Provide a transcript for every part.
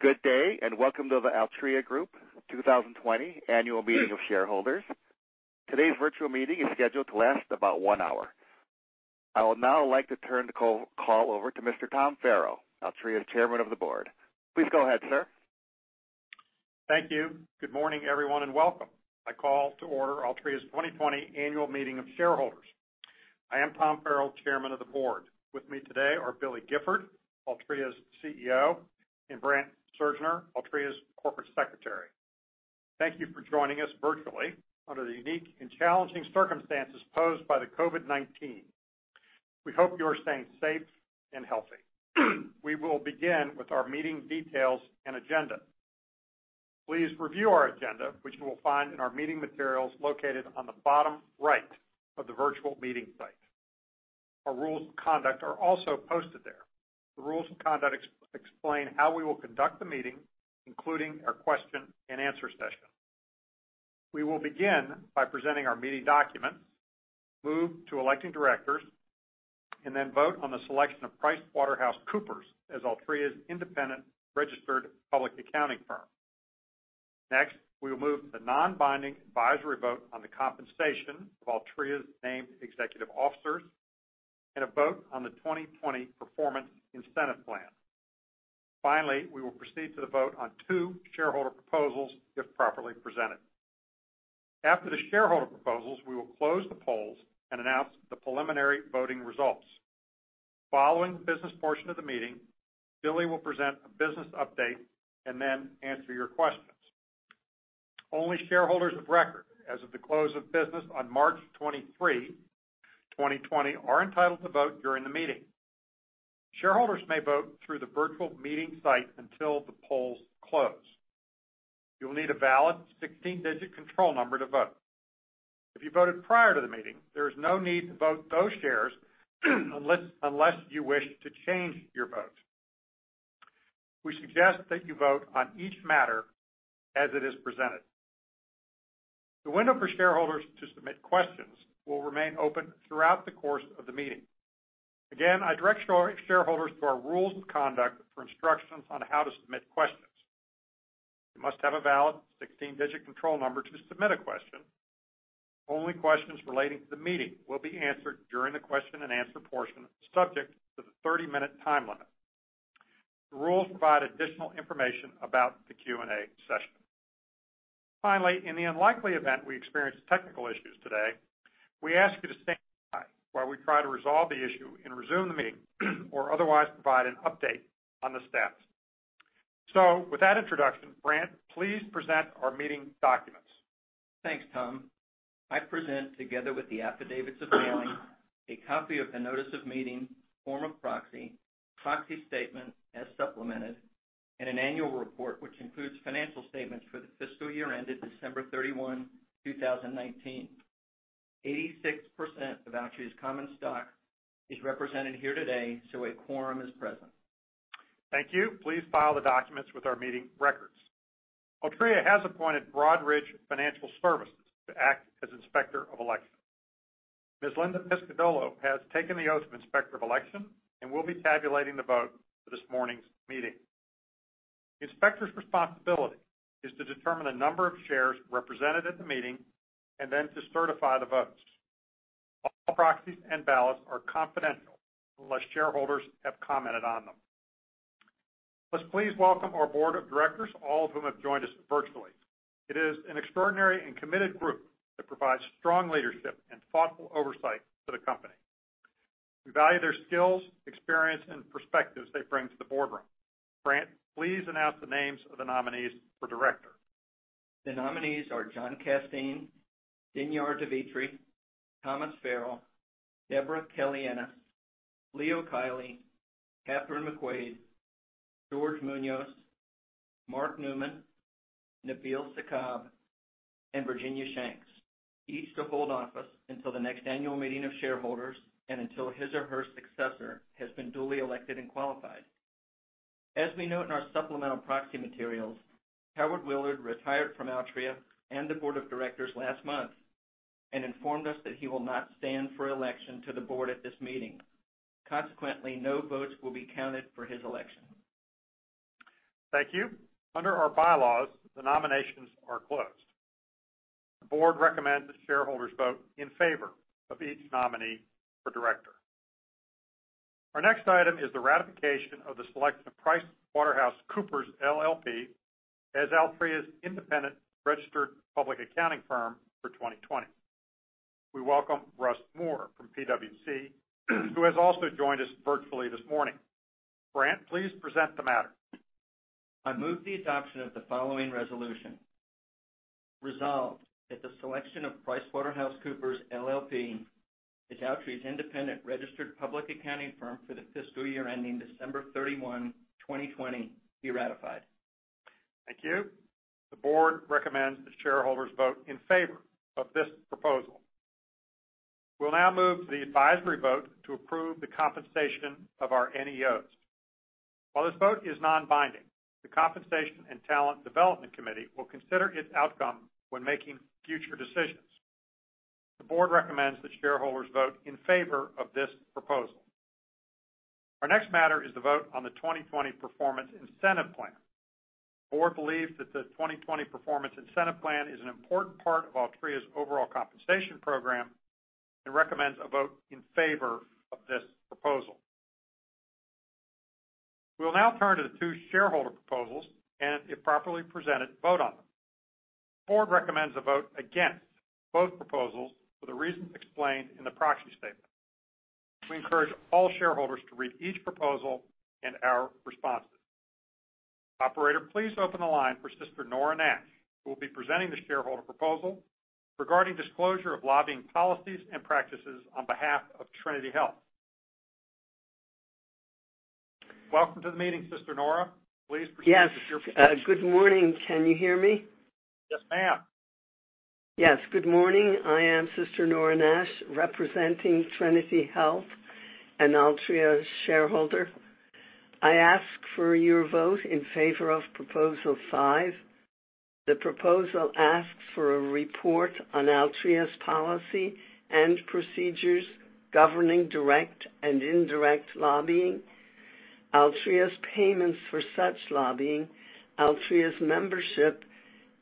Good day. Welcome to the Altria Group 2020 Annual Meeting of Shareholders. Today's virtual meeting is scheduled to last about one hour. I would now like to turn the call over to Mr. Tom Farrell, Altria's Chairman of the Board. Please go ahead, sir. Thank you. Good morning, everyone, welcome. I call to order Altria's 2020 annual meeting of shareholders. I am Tom Farrell, Chairman of the Board. With me today are Billy Gifford, Altria's CEO, and Brant Surgner, Altria's Corporate Secretary. Thank you for joining us virtually under the unique and challenging circumstances posed by the COVID-19. We hope you are staying safe and healthy. We will begin with our meeting details and agenda. Please review our agenda, which you will find in our meeting materials located on the bottom right of the virtual meeting site. Our rules of conduct are also posted there. The rules of conduct explain how we will conduct the meeting, including our question and answer session. We will begin by presenting our meeting documents, move to electing directors, and then vote on the selection of PricewaterhouseCoopers as Altria's independent registered public accounting firm. Next, we will move the non-binding advisory vote on the compensation of Altria's Named Executive Officers and a vote on the 2020 Performance Incentive Plan. Finally, we will proceed to the vote on two shareholder proposals if properly presented. After the shareholder proposals, we will close the polls and announce the preliminary voting results. Following the business portion of the meeting, Billy will present a business update and then answer your questions. Only shareholders of record as of the close of business on March 23, 2020, are entitled to vote during the meeting. Shareholders may vote through the virtual meeting site until the polls close. You'll need a valid 16-digit control number to vote. If you voted prior to the meeting, there is no need to vote those shares unless you wish to change your vote. We suggest that you vote on each matter as it is presented. The window for shareholders to submit questions will remain open throughout the course of the meeting. Again, I direct shareholders to our rules of conduct for instructions on how to submit questions. You must have a valid 16-digit control number to submit a question. Only questions relating to the meeting will be answered during the question and answer portion, subject to the 30-minute time limit. The rules provide additional information about the Q&A session. Finally, in the unlikely event we experience technical issues today, we ask you to stand by while we try to resolve the issue and resume the meeting or otherwise provide an update on the status. With that introduction, Brant, please present our meeting documents. Thanks, Tom. I present, together with the affidavits of filing a copy of the notice of meeting, form of proxy statement as supplemented, and an annual report which includes financial statements for the fiscal year ended December 31, 2019. 86% of Altria's common stock is represented here today, so a quorum is present. Thank you. Please file the documents with our meeting records. Altria has appointed Broadridge Financial Solutions to act as inspector of election. Ms. Linda Piscitello has taken the oath of inspector of election and will be tabulating the vote for this morning's meeting. The inspector's responsibility is to determine the number of shares represented at the meeting and then to certify the votes. All proxies and ballots are confidential unless shareholders have commented on them. Let's please welcome our board of directors, all of whom have joined us virtually. It is an extraordinary and committed group that provides strong leadership and thoughtful oversight to the company. We value their skills, experience, and perspectives they bring to the boardroom. Brant, please announce the names of the nominees for director. The nominees are John Casteen, Dinyar Devitre, Thomas Farrell, Debra Kelly-Ennis, Leo Kiely, Kathryn McQuade, George Muñoz, Mark Newman, Nabil Sakkab, and Virginia Shanks, each to hold office until the next annual meeting of shareholders and until his or her successor has been duly elected and qualified. As we note in our supplemental proxy materials, Howard Willard retired from Altria and the board of directors last month and informed us that he will not stand for election to the board at this meeting. Consequently, no votes will be counted for his election. Thank you. Under our bylaws, the nominations are closed. The board recommends the shareholders vote in favor of each nominee for director. Our next item is the ratification of the selection of PricewaterhouseCoopers LLP as Altria's independent registered public accounting firm for 2020. We welcome Russ Moore from PwC who has also joined us virtually this morning. Brant, please present the matter. I move the adoption of the following resolution. Resolved that the selection of PricewaterhouseCoopers LLP as Altria's independent registered public accounting firm for the fiscal year ending December 31, 2020, be ratified. Thank you. The board recommends the shareholders vote in favor of this proposal. We'll now move to the advisory vote to approve the compensation of our NEOs. While this vote is non-binding, the Compensation & Talent Development Committee will consider its outcome when making future decisions. The board recommends that shareholders vote in favor of this proposal. Our next matter is the vote on the 2020 Performance Incentive Plan. The board believes that the 2020 Performance Incentive Plan is an important part of Altria's overall compensation program and recommends a vote in favor of this proposal. We'll now turn to the two shareholder proposals, and if properly presented, vote on them. The board recommends a vote against both proposals for the reasons explained in the proxy statement. We encourage all shareholders to read each proposal and our responses. Operator, please open the line for Sister Nora Nash, who will be presenting the shareholder proposal regarding disclosure of lobbying policies and practices on behalf of Trinity Health. Welcome to the meeting, Sister Nora. Please proceed with your presentation. Yes. Good morning. Can you hear me? Yes, ma'am. Yes. Good morning. I am Sister Nora Nash, representing Trinity Health, an Altria shareholder. I ask for your vote in favor of Proposal Five. The proposal asks for a report on Altria's policy and procedures governing direct and indirect lobbying, Altria's payments for such lobbying, Altria's membership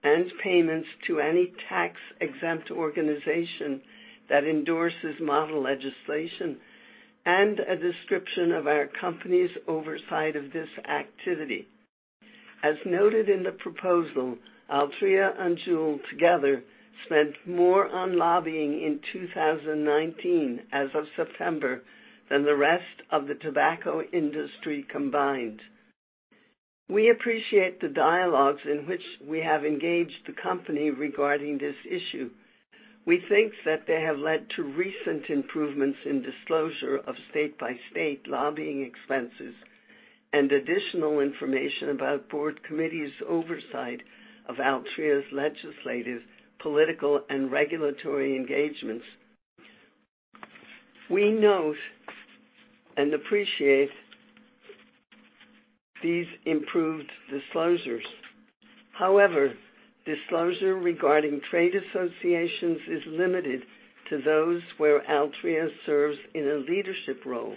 and payments to any tax-exempt organization that endorses model legislation, and a description of our company's oversight of this activity. As noted in the proposal, Altria and JUUL together spent more on lobbying in 2019 as of September than the rest of the tobacco industry combined. We appreciate the dialogues in which we have engaged the company regarding this issue. We think that they have led to recent improvements in disclosure of state-by-state lobbying expenses and additional information about board committees' oversight of Altria's legislative, political, and regulatory engagements. We note and appreciate these improved disclosures. However, disclosure regarding trade associations is limited to those where Altria serves in a leadership role.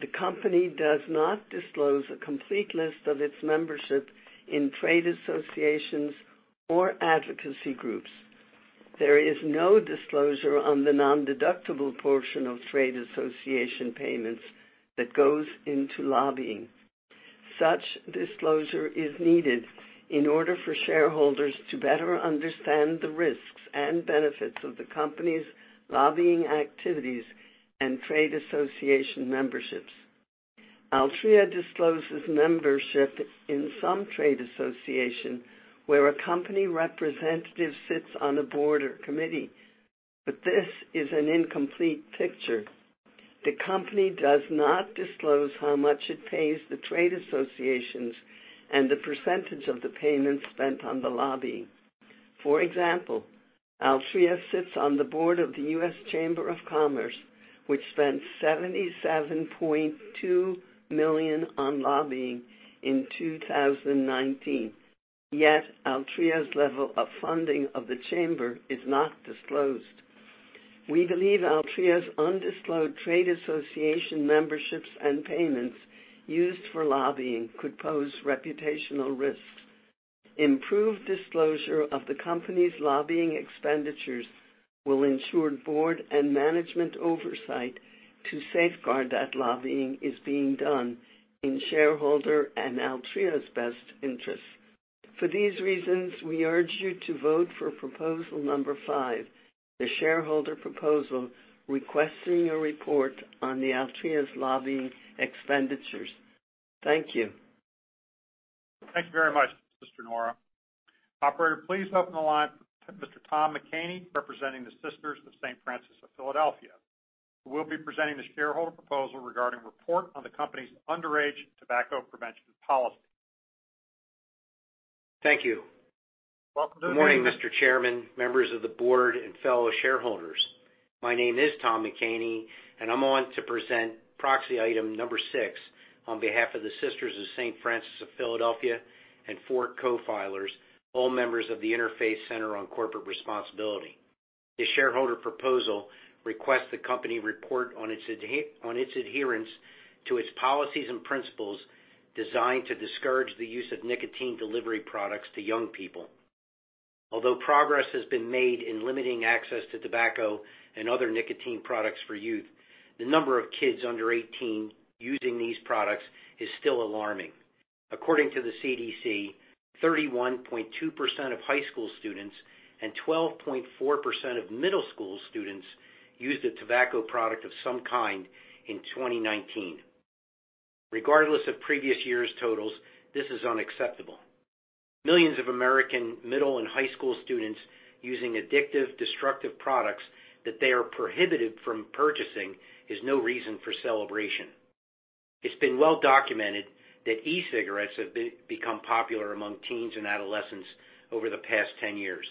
The company does not disclose a complete list of its membership in trade associations or advocacy groups. There is no disclosure on the non-deductible portion of trade association payments that goes into lobbying. Such disclosure is needed in order for shareholders to better understand the risks and benefits of the company's lobbying activities and trade association memberships. Altria discloses membership in some trade association where a company representative sits on a board or committee, but this is an incomplete picture. The company does not disclose how much it pays the trade associations and the percentage of the payments spent on the lobbying. For example, Altria sits on the board of the U.S. Chamber of Commerce, which spent $77.2 million on lobbying in 2019. Yet Altria's level of funding of the Chamber is not disclosed. We believe Altria's undisclosed trade association memberships and payments used for lobbying could pose reputational risks. Improved disclosure of the company's lobbying expenditures will ensure board and management oversight to safeguard that lobbying is being done in shareholder and Altria's best interests. For these reasons, we urge you to vote for proposal number 5, the shareholder proposal requesting a report on the Altria's lobbying expenditures. Thank you. Thank you very much, Sister Nora. Operator, please open the line for Mr. Tom McCaney, representing the Sisters of St. Francis of Philadelphia, who will be presenting the shareholder proposal regarding report on the company's underage tobacco prevention policy. Thank you. Welcome to the meeting. Good morning, Mr. Chairman, members of the board, and fellow shareholders. My name is Tom McCaney, and I'm on to present proxy item number 6 on behalf of the Sisters of St. Francis of Philadelphia and four co-filers, all members of the Interfaith Center on Corporate Responsibility. This shareholder proposal requests the company report on its adherence to its policies and principles designed to discourage the use of nicotine delivery products to young people. Although progress has been made in limiting access to tobacco and other nicotine products for youth, the number of kids under 18 using these products is still alarming. According to the CDC, 31.2% of high school students and 12.4% of middle school students used a tobacco product of some kind in 2019. Regardless of previous year's totals, this is unacceptable. Millions of American middle and high school students using addictive, destructive products that they are prohibited from purchasing is no reason for celebration. It's been well documented that e-cigarettes have become popular among teens and adolescents over the past 10 years.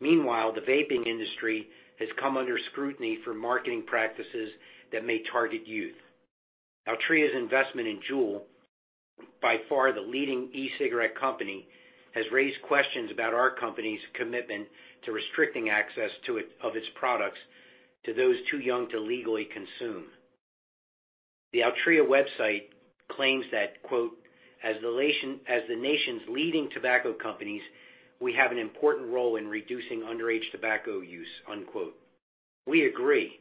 Meanwhile, the vaping industry has come under scrutiny for marketing practices that may target youth. Altria's investment in JUUL, by far, the leading e-cigarette company, has raised questions about our company's commitment to restricting access of its products to those too young to legally consume. The Altria website claims that, quote, "As the nation's leading tobacco companies, we have an important role in reducing underage tobacco use." Unquote. We agree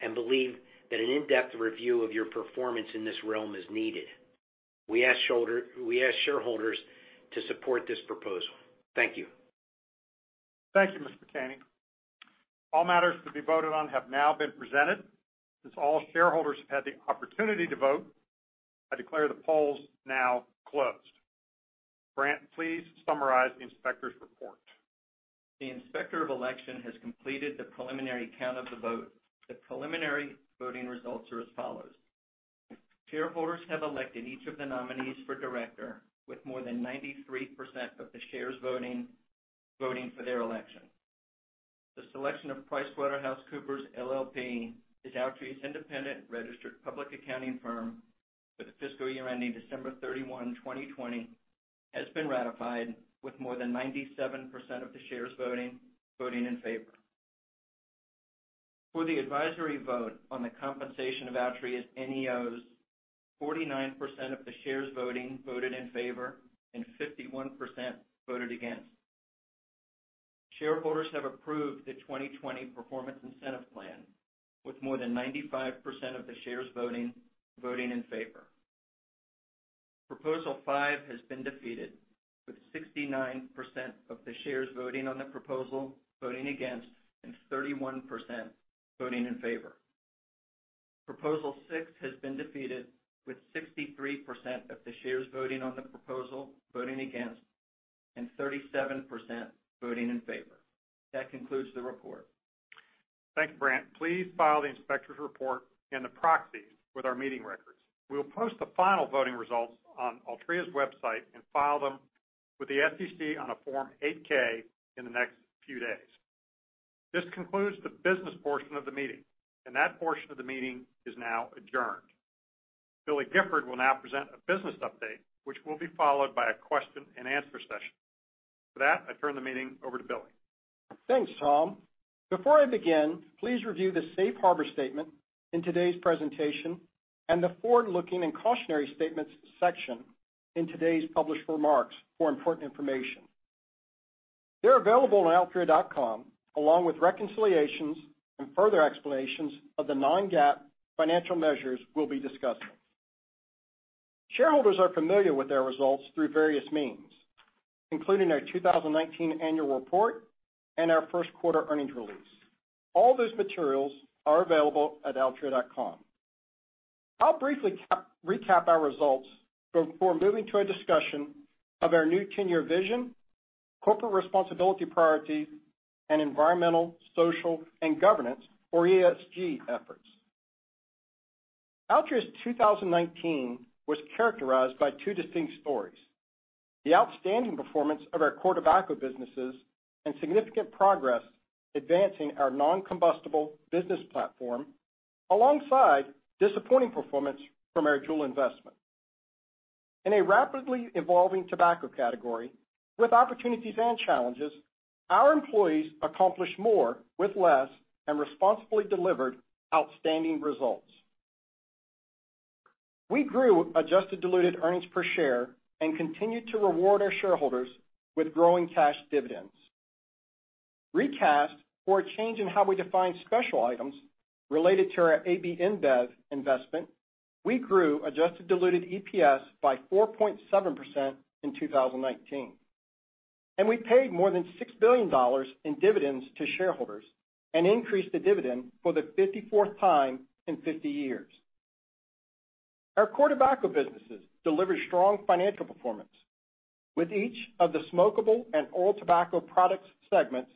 and believe that an in-depth review of your performance in this realm is needed. We ask shareholders to support this proposal. Thank you. Thank you, Mr. McCaney. All matters to be voted on have now been presented. Since all shareholders have had the opportunity to vote, I declare the polls now closed. Brant, please summarize the Inspector's report. The Inspector of Election has completed the preliminary count of the vote. The preliminary voting results are as follows. Shareholders have elected each of the nominees for director with more than 93% of the shares voting for their election. The selection of PricewaterhouseCoopers LLP is Altria's independent registered public accounting firm for the fiscal year ending December 31, 2020, has been ratified with more than 97% of the shares voting in favor. For the advisory vote on the compensation of Altria's NEOs, 49% of the shares voting, voted in favor, and 51% voted against. Shareholders have approved the 2020 Performance Incentive Plan with more than 95% of the shares voting in favor. Proposal 5 has been defeated with 69% of the shares voting on the proposal voting against, and 31% voting in favor. Proposal 6 has been defeated with 63% of the shares voting on the proposal voting against, and 37% voting in favor. That concludes the report. Thanks, Brant. Please file the inspector's report and the proxies with our meeting records. We'll post the final voting results on Altria's website and file them with the SEC on a Form 8-K in the next few days. This concludes the business portion of the meeting, and that portion of the meeting is now adjourned. Billy Gifford will now present a business update, which will be followed by a question and answer session. For that, I turn the meeting over to Billy. Thanks, Tom. Before I begin, please review the safe harbor statement in today's presentation and the forward-looking and cautionary statements section in today's published remarks for important information. They're available on altria.com along with reconciliations and further explanations of the non-GAAP financial measures we'll be discussing. Shareholders are familiar with their results through various means, including our 2019 annual report and our first quarter earnings release. All those materials are available at altria.com. I'll briefly recap our results before moving to a discussion of our new 10-year vision, corporate responsibility priorities, and environmental, social, and governance, or ESG efforts. Altria's 2019 was characterized by two distinct stories. The outstanding performance of our core tobacco businesses and significant progress advancing our non-combustible business platform, alongside disappointing performance from our JUUL investment. In a rapidly evolving tobacco category with opportunities and challenges, our employees accomplished more with less and responsibly delivered outstanding results. We grew adjusted diluted earnings per share and continued to reward our shareholders with growing cash dividends. Recast for a change in how we define special items related to our AB InBev investment, we grew adjusted diluted EPS by 4.7% in 2019. We paid more than $6 billion in dividends to shareholders and increased the dividend for the 54th time in 50 years. Our core tobacco businesses delivered strong financial performance with each of the smokable and oral tobacco products segments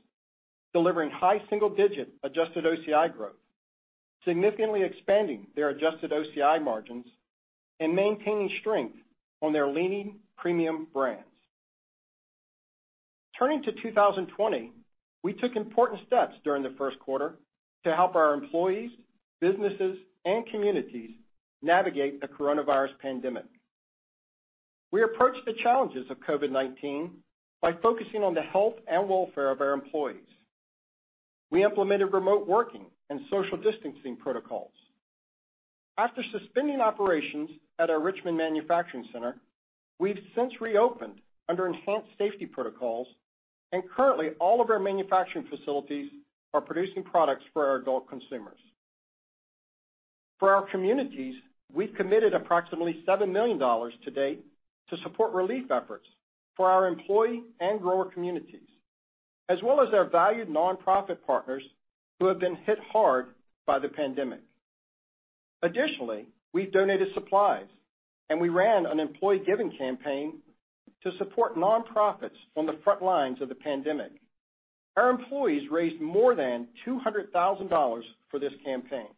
delivering high single digit adjusted OCI growth, significantly expanding their adjusted OCI margins and maintaining strength on their leading premium brands. Turning to 2020, we took important steps during the first quarter to help our employees, businesses, and communities navigate the coronavirus pandemic. We approached the challenges of COVID-19 by focusing on the health and welfare of our employees. We implemented remote working and social distancing protocols. After suspending operations at our Richmond manufacturing center, we've since reopened under enhanced safety protocols, and currently, all of our manufacturing facilities are producing products for our adult consumers. For our communities, we've committed approximately $7 million to date to support relief efforts for our employee and grower communities, as well as our valued nonprofit partners who have been hit hard by the pandemic. Additionally, we've donated supplies, and we ran an employee giving campaign to support nonprofits on the front lines of the pandemic. Our employees raised more than $200,000 for this campaign.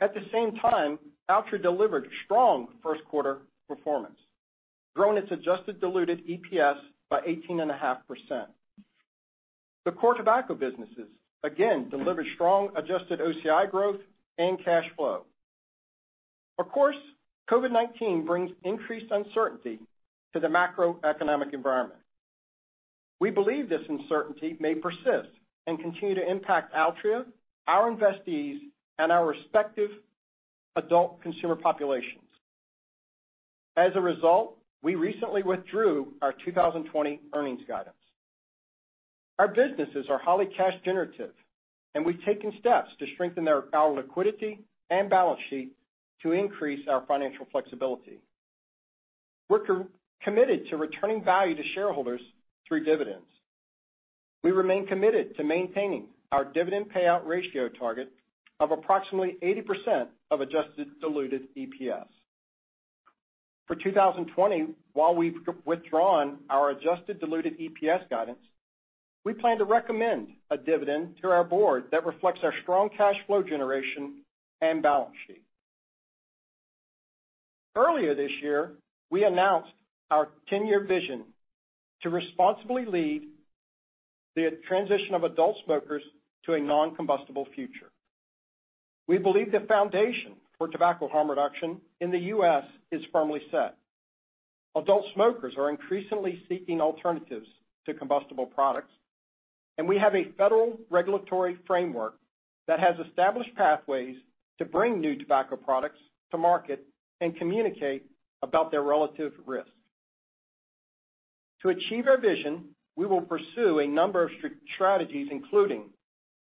At the same time, Altria delivered strong first quarter performance, growing its adjusted diluted EPS by 18.5%. The core tobacco businesses again delivered strong adjusted OCI growth and cash flow. Of course, COVID-19 brings increased uncertainty to the macroeconomic environment. We believe this uncertainty may persist and continue to impact Altria, our investees, and our respective adult consumer populations. As a result, we recently withdrew our 2020 earnings guidance. Our businesses are highly cash generative, and we've taken steps to strengthen our liquidity and balance sheet to increase our financial flexibility. We're committed to returning value to shareholders through dividends. We remain committed to maintaining our dividend payout ratio target of approximately 80% of adjusted diluted EPS. For 2020, while we've withdrawn our adjusted diluted EPS guidance, we plan to recommend a dividend to our board that reflects our strong cash flow generation and balance sheet. Earlier this year, we announced our 10-year vision to responsibly lead the transition of adult smokers to a non-combustible future. We believe the foundation for tobacco harm reduction in the U.S. is firmly set. Adult smokers are increasingly seeking alternatives to combustible products, and we have a federal regulatory framework that has established pathways to bring new tobacco products to market and communicate about their relative risks. To achieve our vision, we will pursue a number of strict strategies, including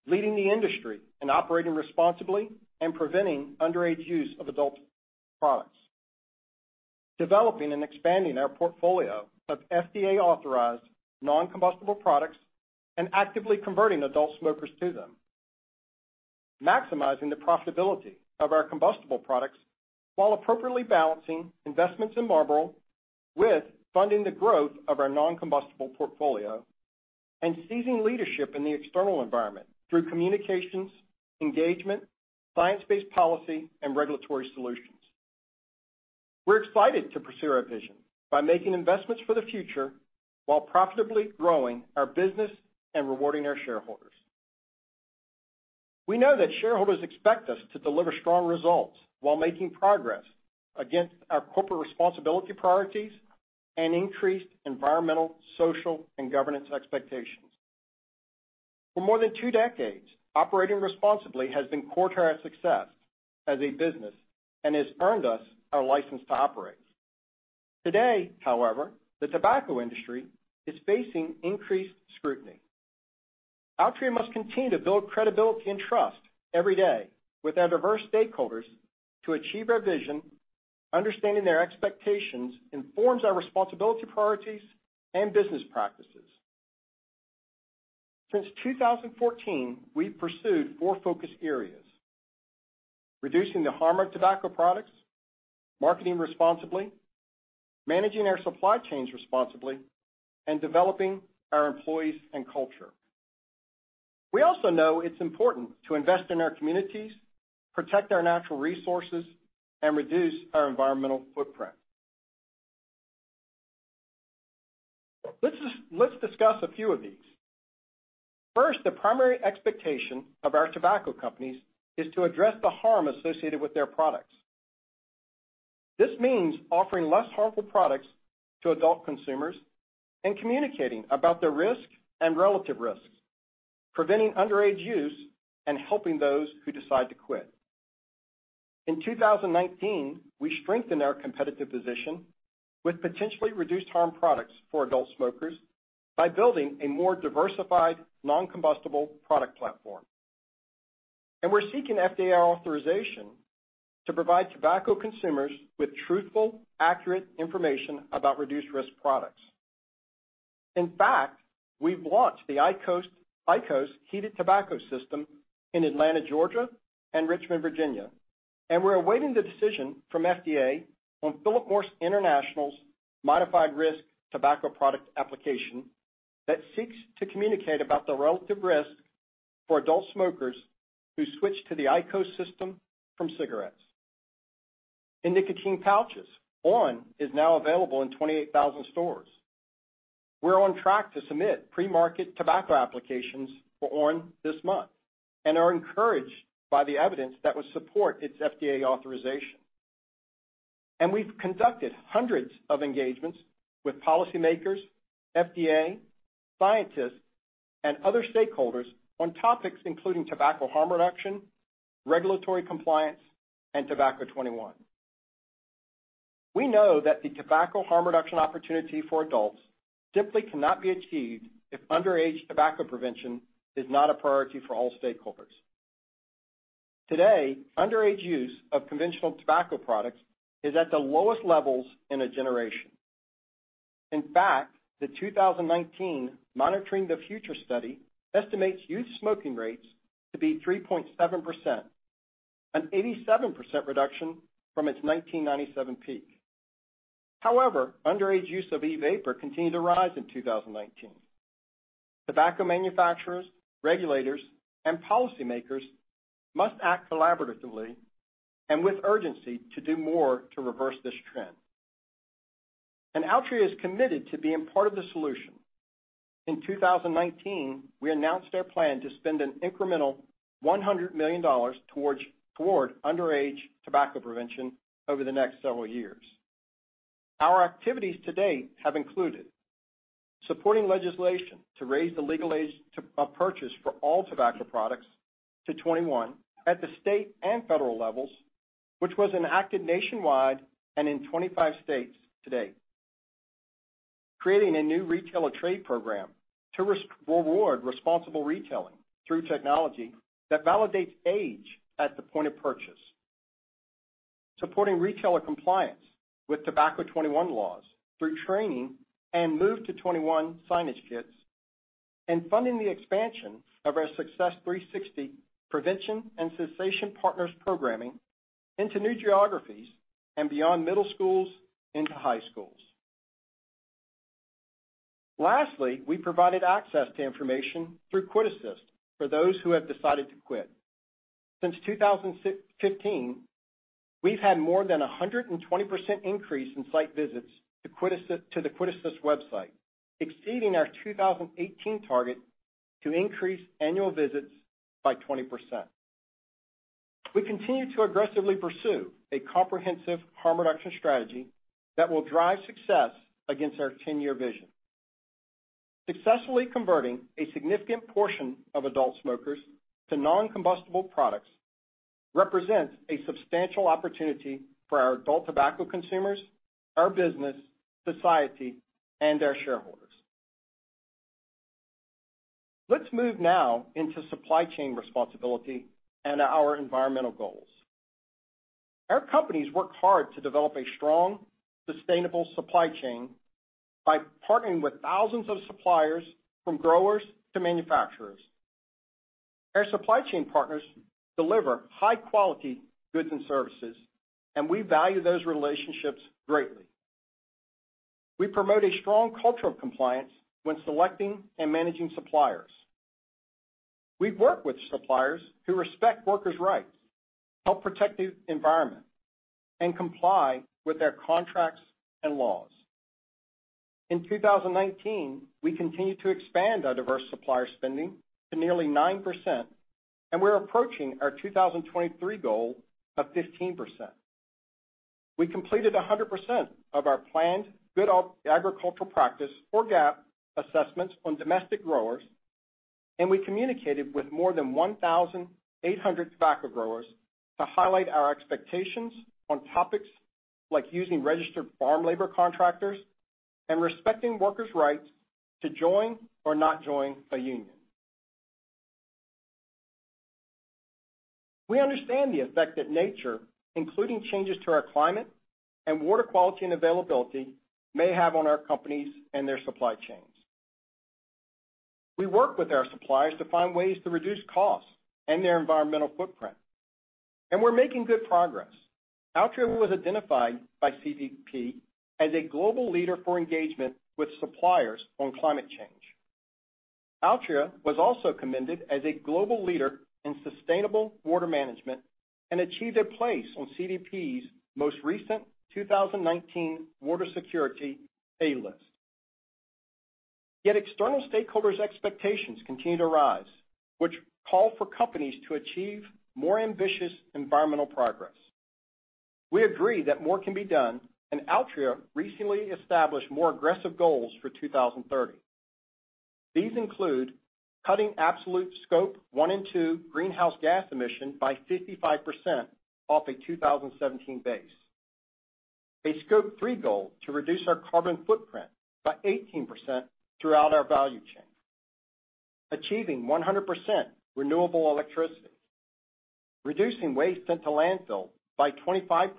leading the industry and operating responsibly and preventing underage use of adult products, developing and expanding our portfolio of FDA-authorized non-combustible products, and actively converting adult smokers to them, maximizing the profitability of our combustible products while appropriately balancing investments in Marlboro with funding the growth of our non-combustible portfolio, and seizing leadership in the external environment through communications, engagement, science-based policy, and regulatory solutions. We're excited to pursue our vision by making investments for the future while profitably growing our business and rewarding our shareholders. We know that shareholders expect us to deliver strong results while making progress against our corporate responsibility priorities and increased environmental, social, and governance expectations. For more than two decades, operating responsibly has been core to our success as a business and has earned us our license to operate. Today, however, the tobacco industry is facing increased scrutiny. Altria must continue to build credibility and trust every day with our diverse stakeholders to achieve our vision. Understanding their expectations informs our responsibility, priorities, and business practices. Since 2014, we've pursued four focus areas: reducing the harm of tobacco products, marketing responsibly, managing our supply chains responsibly, and developing our employees and culture. We also know it's important to invest in our communities, protect our natural resources, and reduce our environmental footprint. Let's discuss a few of these. First, the primary expectation of our tobacco companies is to address the harm associated with their products. This means offering less harmful products to adult consumers and communicating about the risk and relative risk, preventing underage use, and helping those who decide to quit. In 2019, we strengthened our competitive position with potentially reduced harm products for adult smokers by building a more diversified non-combustible product platform. We're seeking FDA authorization to provide tobacco consumers with truthful, accurate information about reduced-risk products. In fact, we've launched the IQOS heated tobacco system in Atlanta, Georgia, and Richmond, Virginia, and we're awaiting the decision from FDA on Philip Morris International's modified risk tobacco product application that seeks to communicate about the relative risk for adult smokers who switch to the IQOS system from cigarettes. In nicotine pouches, on! is now available in 28,000 stores. We're on track to submit pre-market tobacco applications for on! this month and are encouraged by the evidence that would support its FDA authorization. We've conducted hundreds of engagements with policymakers, FDA, scientists, and other stakeholders on topics including tobacco harm reduction, regulatory compliance, and Tobacco 21. We know that the tobacco harm reduction opportunity for adults simply cannot be achieved if underage tobacco prevention is not a priority for all stakeholders. Today, underage use of conventional tobacco products is at the lowest levels in a generation. In fact, the 2019 Monitoring the Future study estimates youth smoking rates to be 3.7%, an 87% reduction from its 1997 peak. However, underage use of e-vapor continued to rise in 2019. Tobacco manufacturers, regulators, and policymakers must act collaboratively and with urgency to do more to reverse this trend. Altria is committed to being part of the solution. In 2019, we announced our plan to spend an incremental $100 million toward underage tobacco prevention over the next several years. Our activities to date have included supporting legislation to raise the legal age of purchase for all tobacco products to 21 at the state and federal levels, which was enacted nationwide and in 25 states to date. Creating a new retailer trade program to reward responsible retailing through technology that validates age at the point of purchase. Supporting retailer compliance with Tobacco 21 laws through training and Move to 21 signage kits, and funding the expansion of our Success 360 prevention and cessation partners programming into new geographies and beyond middle schools into high schools. Lastly, we provided access to information through QuitAssist for those who have decided to quit. Since 2015, we've had more than 120% increase in site visits to the QuitAssist website, exceeding our 2018 target to increase annual visits by 20%. We continue to aggressively pursue a comprehensive harm reduction strategy that will drive success against our 10-year vision. Successfully converting a significant portion of adult smokers to non-combustible products represents a substantial opportunity for our adult tobacco consumers, our business, society, and our shareholders. Let's move now into supply chain responsibility and our environmental goals. Our companies work hard to develop a strong, sustainable supply chain by partnering with thousands of suppliers, from growers to manufacturers. Our supply chain partners deliver high-quality goods and services, and we value those relationships greatly. We promote a strong culture of compliance when selecting and managing suppliers. We work with suppliers who respect workers' rights, help protect the environment, and comply with their contracts and laws. In 2019, we continued to expand our diverse supplier spending to nearly 9%, and we're approaching our 2023 goal of 15%. We completed 100% of our planned Good Agricultural Practice or GAP assessments on domestic growers, and we communicated with more than 1,800 tobacco growers to highlight our expectations on topics like using registered farm labor contractors and respecting workers' rights to join or not join a union. We understand the effect that nature, including changes to our climate and water quality and availability, may have on our companies and their supply chains. We work with our suppliers to find ways to reduce costs and their environmental footprint, and we're making good progress. Altria was identified by CDP as a global leader for engagement with suppliers on climate change. Altria was also commended as a global leader in sustainable water management and achieved a place on CDP's most recent 2019 Water Security A List. External stakeholders' expectations continue to rise, which call for companies to achieve more ambitious environmental progress. We agree that more can be done, Altria recently established more aggressive goals for 2030. These include cutting absolute scope one and two greenhouse gas emission by 55% off a 2017 base. A scope three goal to reduce our carbon footprint by 18% throughout our value chain. Achieving 100% renewable electricity. Reducing waste sent to landfill by 25%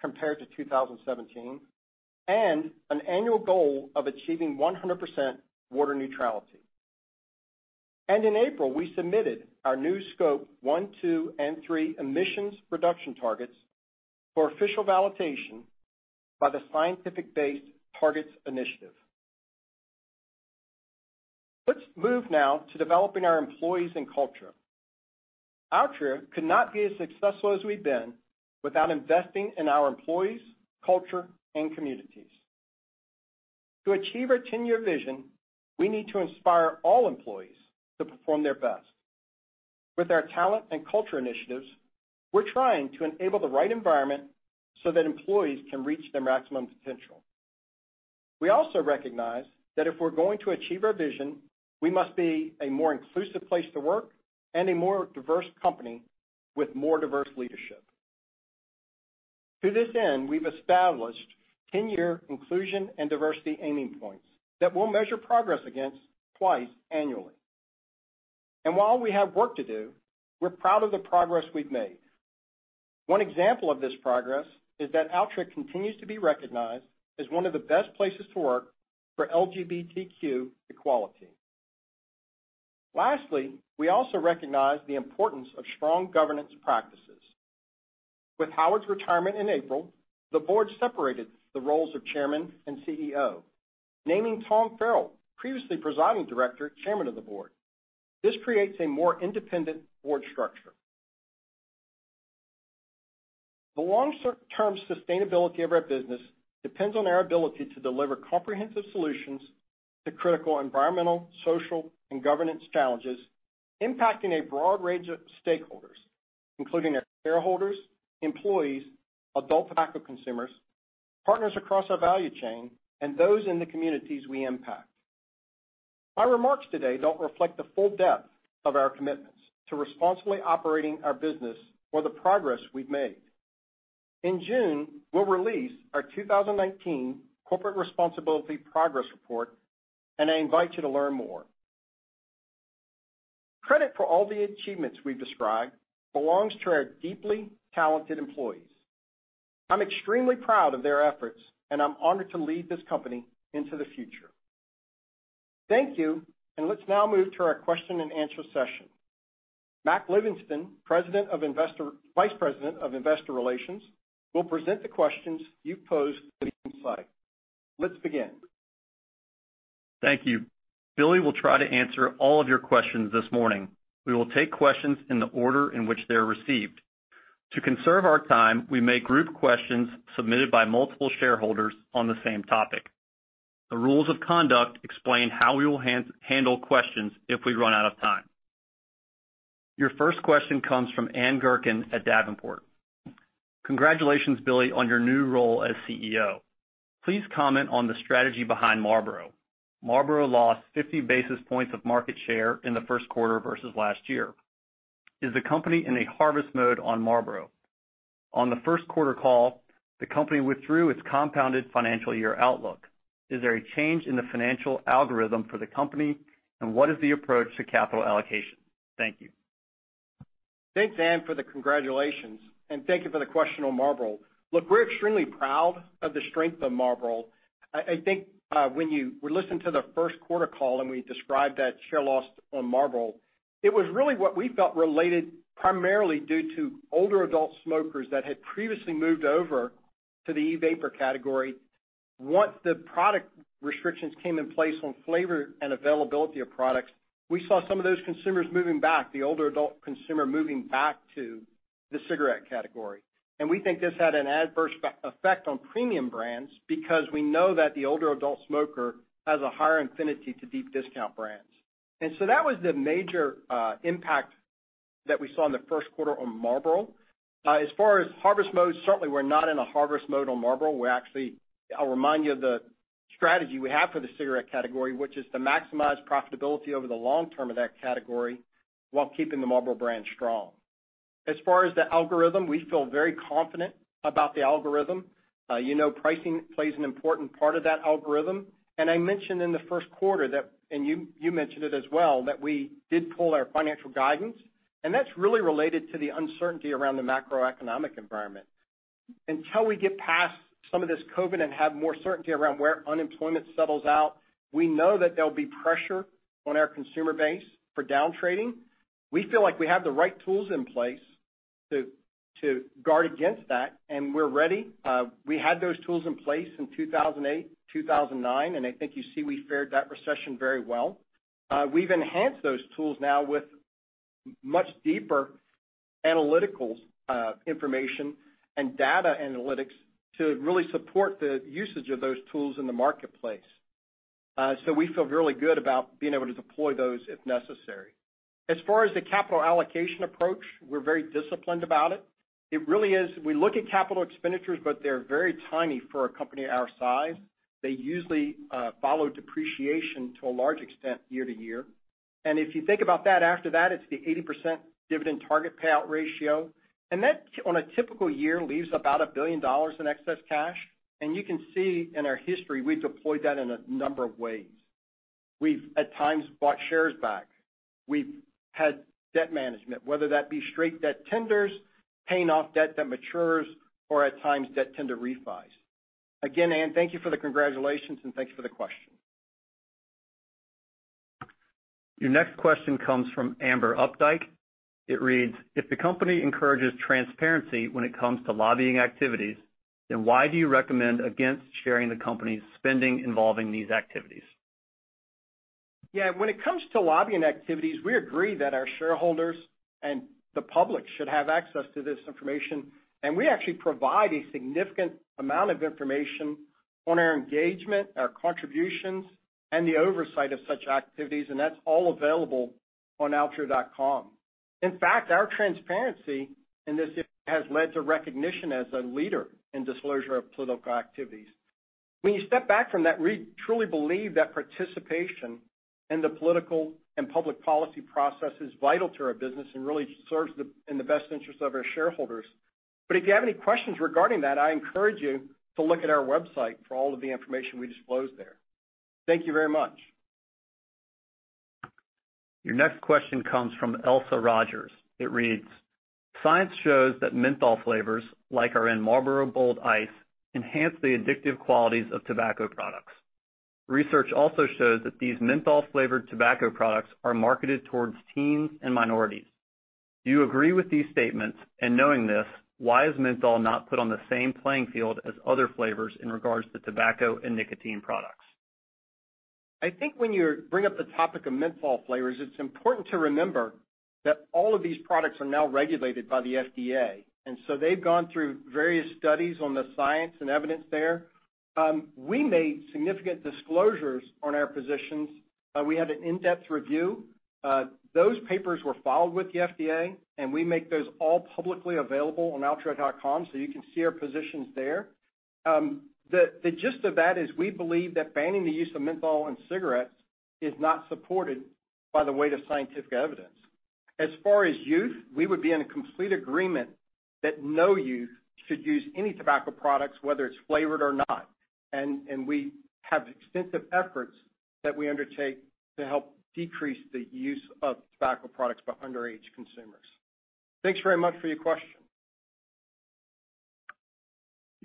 compared to 2017, an annual goal of achieving 100% water neutrality. In April, we submitted our new scope one, two and three emissions reduction targets for official validation by the Science Based Targets initiative. Let's move now to developing our employees and culture. Altria could not be as successful as we've been without investing in our employees, culture, and communities. To achieve our 10-year vision, we need to inspire all employees to perform their best. With our talent and culture initiatives, we're trying to enable the right environment so that employees can reach their maximum potential. We also recognize that if we're going to achieve our vision, we must be a more inclusive place to work and a more diverse company with more diverse leadership. To this end, we've established 10-year inclusion and diversity aiming points that we'll measure progress against twice annually. While we have work to do, we're proud of the progress we've made. One example of this progress is that Altria continues to be recognized as one of the best places to work for LGBTQ equality. Lastly, we also recognize the importance of strong governance practices. With Howard's retirement in April, the Board separated the roles of Chairman and CEO, naming Tom Farrell, previously presiding director, Chairman of the Board. This creates a more independent board structure. The long-term sustainability of our business depends on our ability to deliver comprehensive solutions to critical environmental, social, and governance challenges impacting a broad range of stakeholders, including our shareholders, employees, adult tobacco consumers, partners across our value chain, and those in the communities we impact. Our remarks today don't reflect the full depth of our commitments to responsibly operating our business or the progress we've made. In June, we'll release our 2019 Corporate Responsibility Progress Report, and I invite you to learn more. Credit for all the achievements we've described belongs to our deeply talented employees. I'm extremely proud of their efforts, and I'm honored to lead this company into the future. Thank you. Let's now move to our question and answer session. Mac Livingston, Vice President of Investor Relations, will present the questions you posed to the website. Let's begin. Thank you. Billy will try to answer all of your questions this morning. We will take questions in the order in which they're received. To conserve our time, we may group questions submitted by multiple shareholders on the same topic. The rules of conduct explain how we will handle questions if we run out of time. Your first question comes from Ann Gurkin at Davenport. "Congratulations, Billy, on your new role as CEO. Please comment on the strategy behind Marlboro. Marlboro lost 50 basis points of market share in the first quarter versus last year. Is the company in a harvest mode on Marlboro? On the first quarter call, the company withdrew its compounded financial year outlook. Is there a change in the financial algorithm for the company, and what is the approach to capital allocation? Thank you. Thanks, Ann, for the congratulations, and thank you for the question on Marlboro. Look, we're extremely proud of the strength of Marlboro. I think when you listened to the first quarter call and we described that share loss on Marlboro, it was really what we felt related primarily due to older adult smokers that had previously moved over to the e-vapor category. Once the product restrictions came in place on flavor and availability of products, we saw some of those consumers moving back, the older adult consumer moving back to the cigarette category. We think this had an adverse effect on premium brands because we know that the older adult smoker has a higher affinity to deep discount brands. That was the major impact that we saw in the first quarter on Marlboro. As far as harvest mode, certainly we're not in a harvest mode on Marlboro. I'll remind you of the strategy we have for the cigarette category, which is to maximize profitability over the long term of that category while keeping the Marlboro brand strong. As far as the algorithm, we feel very confident about the algorithm. You know pricing plays an important part of that algorithm. I mentioned in the first quarter that, and you mentioned it as well, that we did pull our financial guidance, and that's really related to the uncertainty around the macroeconomic environment. Until we get past some of this COVID-19 and have more certainty around where unemployment settles out, we know that there'll be pressure on our consumer base for down trading. We feel like we have the right tools in place to guard against that, and we're ready. We had those tools in place in 2008, 2009, and I think you see we fared that recession very well. We've enhanced those tools now with much deeper analytical information and data analytics to really support the usage of those tools in the marketplace. We feel really good about being able to deploy those if necessary. As far as the capital allocation approach, we're very disciplined about it. It really is, we look at capital expenditures, but they're very tiny for a company our size. They usually follow depreciation to a large extent year to year. If you think about that, after that, it's the 80% dividend target payout ratio. That, on a typical year, leaves about $1 billion in excess cash. You can see in our history, we've deployed that in a number of ways. We've at times bought shares back. We've had debt management, whether that be straight debt tenders, paying off debt that matures, or at times debt tender refis. Again, Ann, thank you for the congratulations and thanks for the question. Your next question comes from Amber Updike. It reads, "If the company encourages transparency when it comes to lobbying activities, then why do you recommend against sharing the company's spending involving these activities? Yeah, when it comes to lobbying activities, we agree that our shareholders and the public should have access to this information, and we actually provide a significant amount of information on our engagement, our contributions, and the oversight of such activities, and that's all available on altria.com. Our transparency in this has led to recognition as a leader in disclosure of political activities. When you step back from that, we truly believe that participation in the political and public policy process is vital to our business and really serves in the best interest of our shareholders. If you have any questions regarding that, I encourage you to look at our website for all of the information we disclose there. Thank you very much. Your next question comes from Elsa Rogers. It reads, "Science shows that menthol flavors, like are in Marlboro Bold Ice, enhance the addictive qualities of tobacco products. Research also shows that these menthol flavored tobacco products are marketed towards teens and minorities. Do you agree with these statements, and knowing this, why is menthol not put on the same playing field as other flavors in regards to tobacco and nicotine products? I think when you bring up the topic of menthol flavors, it's important to remember that all of these products are now regulated by the FDA, they've gone through various studies on the science and evidence there. We made significant disclosures on our positions. We had an in-depth review. Those papers were filed with the FDA, and we make those all publicly available on altria.com so you can see our positions there. The gist of that is we believe that banning the use of menthol in cigarettes is not supported by the weight of scientific evidence. As far as youth, we would be in complete agreement that no youth should use any tobacco products, whether it's flavored or not. We have extensive efforts that we undertake to help decrease the use of tobacco products by underage consumers. Thanks very much for your question.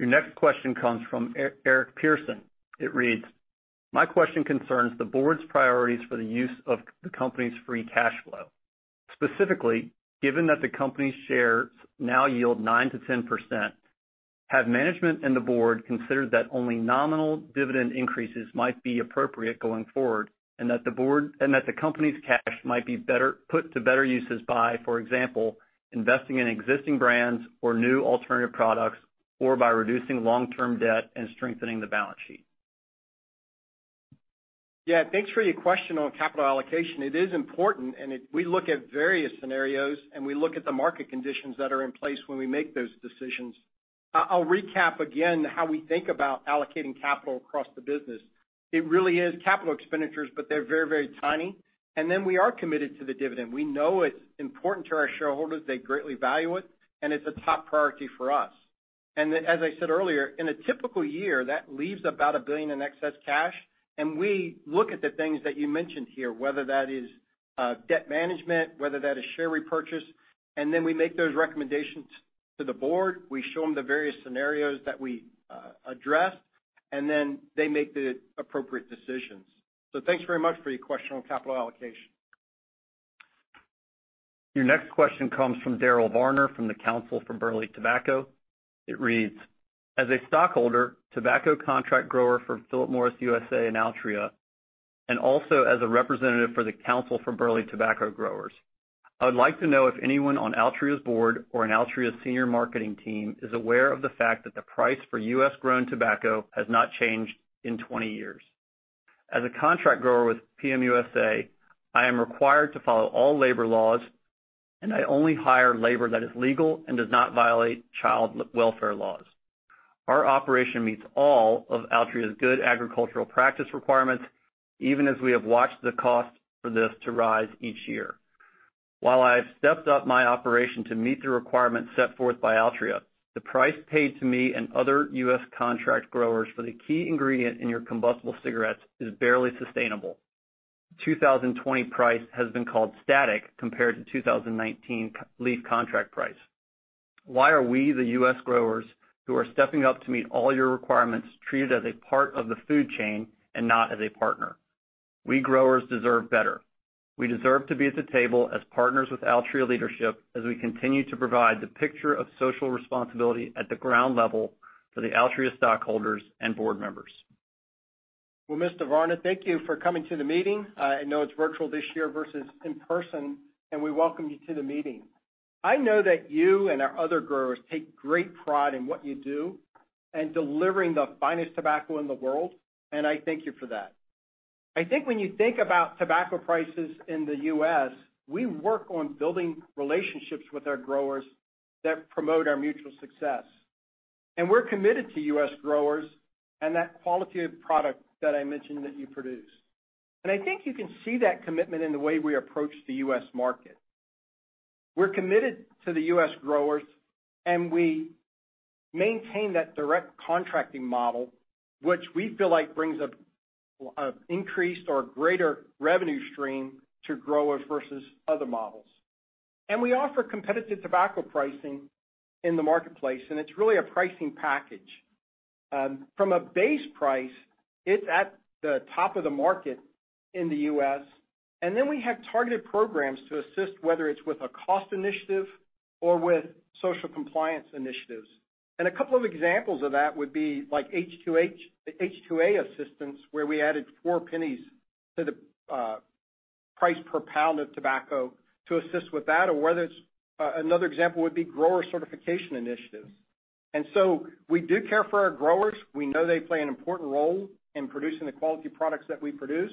Your next question comes from Eric Pearson. It reads, "My question concerns the board's priorities for the use of the company's free cash flow. Specifically, given that the company's shares now yield 9%-10%, have management and the board considered that only nominal dividend increases might be appropriate going forward, and that the company's cash might be put to better uses by, for example, investing in existing brands or new alternative products, or by reducing long-term debt and strengthening the balance sheet? Yeah. Thanks for your question on capital allocation. It is important. We look at various scenarios, and we look at the market conditions that are in place when we make those decisions. I'll recap again how we think about allocating capital across the business. It really is capital expenditures, but they're very tiny. We are committed to the dividend. We know it's important to our shareholders. They greatly value it, and it's a top priority for us. As I said earlier, in a typical year, that leaves about $1 billion in excess cash, and we look at the things that you mentioned here, whether that is debt management, whether that is share repurchase, and then we make those recommendations to the Board. We show them the various scenarios that we addressed, and then they make the appropriate decisions. Thanks very much for your question on capital allocation. Your next question comes from Darrell Varner from the Council for Burley Tobacco. It reads, "As a stockholder, tobacco contract grower for Philip Morris USA and Altria, and also as a representative for the Council for Burley Tobacco Growers, I would like to know if anyone on Altria's board or on Altria's senior marketing team is aware of the fact that the price for U.S.-grown tobacco has not changed in 20 years. As a contract grower with PM USA, I am required to follow all labor laws, and I only hire labor that is legal and does not violate child welfare laws. Our operation meets all of Altria's Good Agricultural Practice requirements, even as we have watched the cost for this to rise each year. While I've stepped up my operation to meet the requirements set forth by Altria, the price paid to me and other U.S. contract growers for the key ingredient in your combustible cigarettes is barely sustainable. 2020 price has been called static compared to 2019 leaf contract price. Why are we, the U.S. growers, who are stepping up to meet all your requirements, treated as a part of the food chain and not as a partner? We growers deserve better. We deserve to be at the table as partners with Altria leadership as we continue to provide the picture of social responsibility at the ground level for the Altria stockholders and board members. Well, Mr. Varner, thank you for coming to the meeting. I know it's virtual this year versus in person, and we welcome you to the meeting. I know that you and our other growers take great pride in what you do and delivering the finest tobacco in the world, and I thank you for that. I think when you think about tobacco prices in the U.S., we work on building relationships with our growers that promote our mutual success. We're committed to U.S. growers and that quality of product that I mentioned that you produce. I think you can see that commitment in the way we approach the U.S. market. We're committed to the U.S. growers, and we maintain that direct contracting model, which we feel like brings up increased or greater revenue stream to growers versus other models. We offer competitive tobacco pricing in the marketplace, and it's really a pricing package. From a base price, it's at the top of the market in the U.S., then we have targeted programs to assist, whether it's with a cost initiative or with social compliance initiatives. A couple of examples of that would be like H-2A assistance, where we added $0.04 to the price per pound of tobacco to assist with that. Another example would be grower certification initiatives. We do care for our growers. We know they play an important role in producing the quality products that we produce,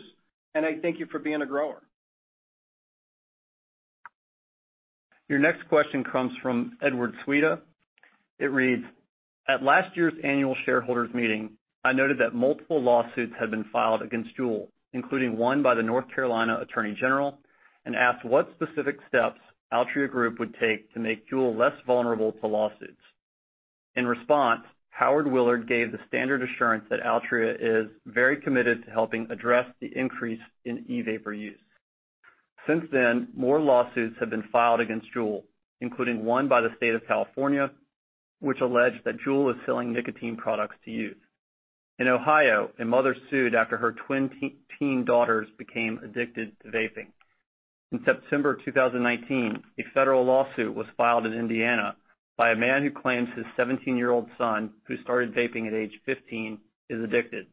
and I thank you for being a grower. Your next question comes from Edward Swida. It reads, "At last year's annual shareholders meeting, I noted that multiple lawsuits had been filed against JUUL, including one by the North Carolina Attorney General, and asked what specific steps Altria Group would take to make JUUL less vulnerable to lawsuits. In response, Howard Willard gave the standard assurance that Altria is very committed to helping address the increase in e-vapor use. Since then, more lawsuits have been filed against JUUL, including one by the state of California, which alleged that JUUL is selling nicotine products to youth. In Ohio, a mother sued after her twin teen daughters became addicted to vaping. In September 2019, a federal lawsuit was filed in Indiana by a man who claims his 17-year-old son, who started vaping at age 15, is addicted.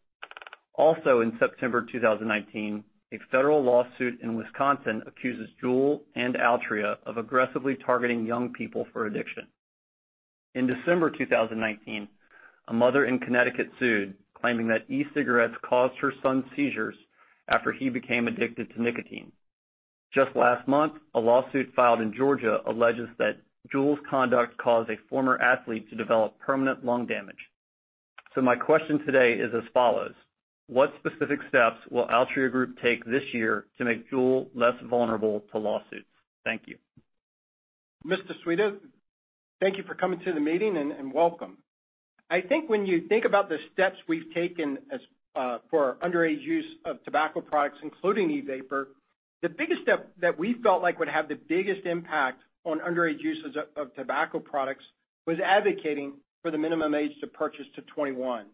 In September 2019, a federal lawsuit in Wisconsin accuses JUUL and Altria of aggressively targeting young people for addiction. In December 2019, a mother in Connecticut sued, claiming that e-cigarettes caused her son's seizures after he became addicted to nicotine. Just last month, a lawsuit filed in Georgia alleges that JUUL's conduct caused a former athlete to develop permanent lung damage. My question today is as follows, what specific steps will Altria Group take this year to make JUUL less vulnerable to lawsuits? Thank you. Mr. Swida, thank you for coming to the meeting, and welcome. I think when you think about the steps we've taken for underage use of tobacco products, including e-vapor, the biggest step that we felt like would have the biggest impact on underage uses of tobacco products was advocating for the minimum age to purchase to 21.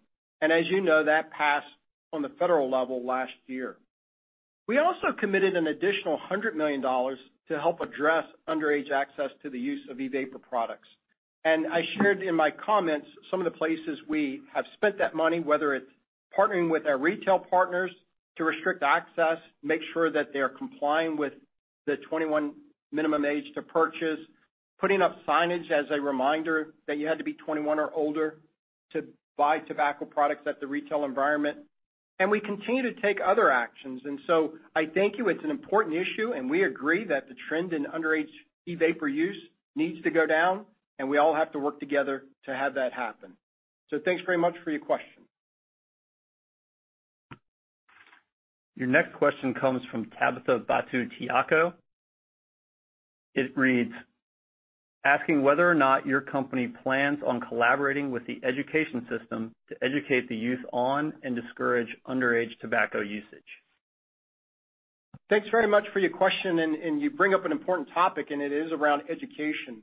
As you know, that passed on the federal level last year. We also committed an additional $100 million to help address underage access to the use of e-vapor products. I shared in my comments some of the places we have spent that money, whether it's partnering with our retail partners to restrict access, make sure that they're complying with the 21 minimum age to purchase, putting up signage as a reminder that you had to be 21 or older to buy tobacco products at the retail environment. We continue to take other actions. I thank you. It's an important issue, and we agree that the trend in underage e-vapor use needs to go down, and we all have to work together to have that happen. Thanks very much for your question. Your next question comes from Tabitha Batu-Tiako. It reads, "Asking whether or not your company plans on collaborating with the education system to educate the youth on and discourage underage tobacco usage. Thanks very much for your question, and you bring up an important topic, and it is around education.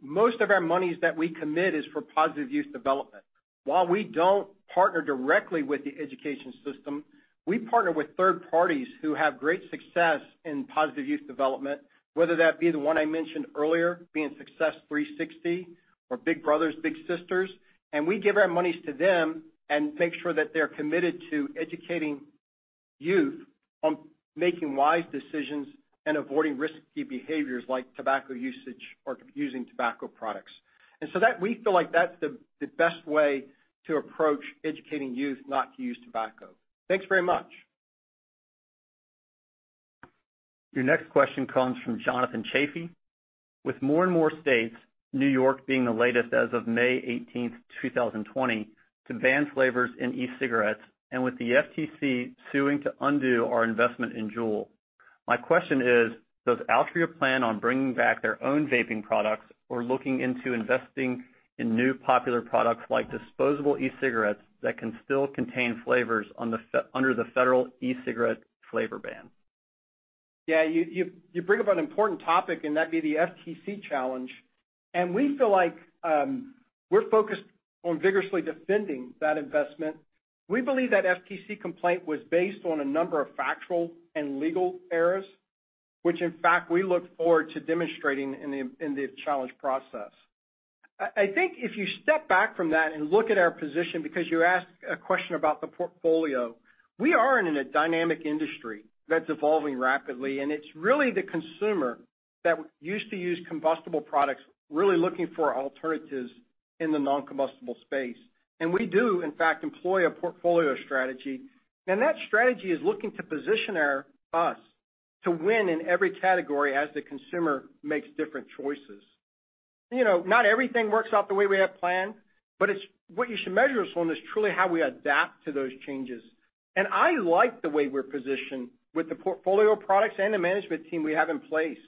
Most of our monies that we commit is for positive youth development. While we don't partner directly with the education system, we partner with third parties who have great success in positive youth development, whether that be the one I mentioned earlier, being Success360 or Big Brothers Big Sisters, and we give our monies to them and make sure that they're committed to educating youth on making wise decisions and avoiding risky behaviors like tobacco usage or using tobacco products. We feel like that's the best way to approach educating youth not to use tobacco. Thanks very much. Your next question comes from Jonathan Chaffee. "With more and more states, New York being the latest as of May 18, 2020, to ban flavors in e-cigarettes, and with the FTC suing to undo our investment in JUUL, my question is, does Altria plan on bringing back their own vaping products or looking into investing in new popular products like disposable e-cigarettes that can still contain flavors under the federal e-cigarette flavor ban? Yeah. You bring up an important topic, that would be the FTC challenge. We feel like we're focused on vigorously defending that investment. We believe that FTC complaint was based on a number of factual and legal errors, which in fact, we look forward to demonstrating in the challenge process. I think if you step back from that and look at our position, because you asked a question about the portfolio, we are in a dynamic industry that's evolving rapidly, and it's really the consumer that used to use combustible products, really looking for alternatives in the non-combustible space. We do, in fact, employ a portfolio strategy, and that strategy is looking to position us to win in every category as the consumer makes different choices. Not everything works out the way we have planned, but what you should measure us on is truly how we adapt to those changes. I like the way we're positioned with the portfolio of products and the management team we have in place.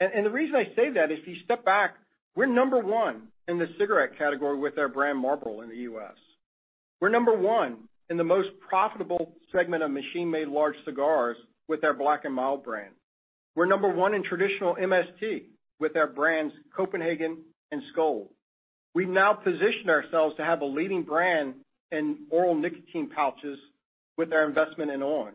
The reason I say that, if you step back, we're number one in the cigarette category with our brand Marlboro in the U.S. We're number one in the most profitable segment of machine-made large cigars with our Black & Mild brand. We're number one in traditional MST with our brands Copenhagen and Skoal. We've now positioned ourselves to have a leading brand in oral nicotine pouches with our investment in on!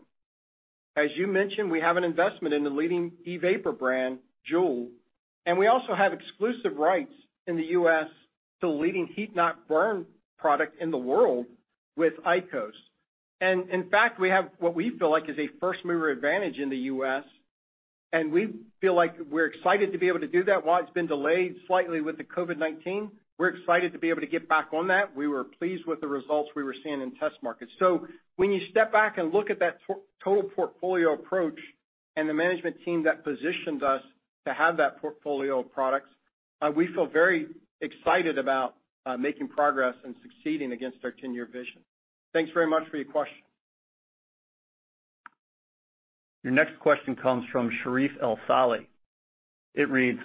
As you mentioned, we have an investment in the leading e-vapor brand, JUUL, and we also have exclusive rights in the U.S. to leading heat-not-burn product in the world with IQOS. In fact, we have what we feel like is a first-mover advantage in the U.S., and we feel like we're excited to be able to do that. While it's been delayed slightly with the COVID-19, we're excited to be able to get back on that. We were pleased with the results we were seeing in test markets. When you step back and look at that total portfolio approach and the management team that positions us to have that portfolio of products, we feel very excited about making progress and succeeding against our 10-year vision. Thanks very much for your question. Your next question comes from Sharif El-Sali. It reads,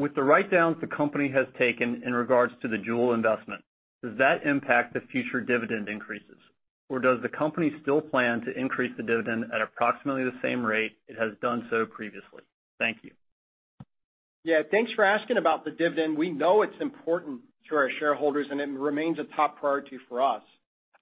"With the write-downs the company has taken in regards to the JUUL investment, does that impact the future dividend increases, or does the company still plan to increase the dividend at approximately the same rate it has done so previously? Thank you. Yeah, thanks for asking about the dividend. We know it's important to our shareholders, and it remains a top priority for us.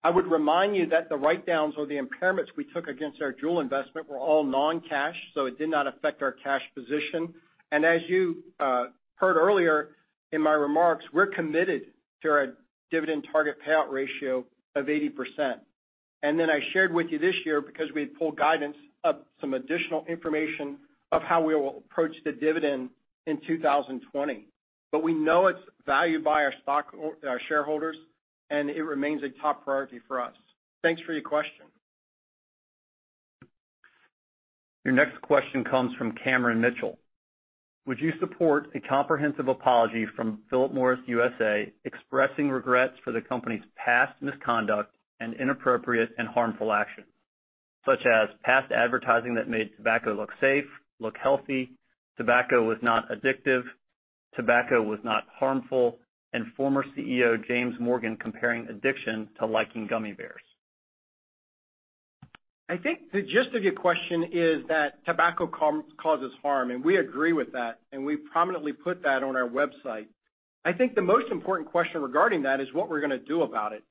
I would remind you that the write-downs or the impairments we took against our JUUL investment were all non-cash, so it did not affect our cash position. As you heard earlier in my remarks, we're committed to our dividend target payout ratio of 80%. I shared with you this year, because we had pulled guidance up some additional information of how we will approach the dividend in 2020. We know it's valued by our shareholders, and it remains a top priority for us. Thanks for your question. Your next question comes from Cameron Mitchell. Would you support a comprehensive apology from Philip Morris USA expressing regrets for the company's past misconduct and inappropriate and harmful actions, such as past advertising that made tobacco look safe, look healthy, tobacco was not addictive, tobacco was not harmful, and former CEO James Morgan comparing addiction to liking gummy bears? I think the gist of your question is that tobacco causes harm, and we agree with that, and we prominently put that on our website. I think the most important question regarding that is what we're going to do about it.